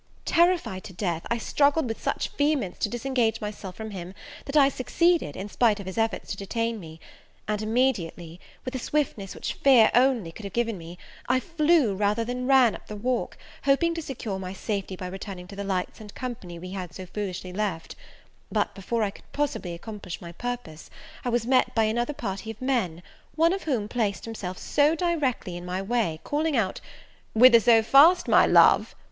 Terrified to death, I struggled with such vehemence to disengage myself from him, that I succeeded, in spite of his efforts to detain me; and immediately, and with a swiftness which fear only could have given me, I flew rather than ran up the walk, hoping to secure my safety by returning to the lights and company we had so foolishly left: but before I could possibly accomplish my purpose, I was met by another party of men, one of whom placed himself so directly in my way, calling out, "Whither so fast, my love?"